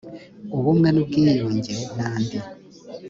ubumwe n ubwiyunge na ndi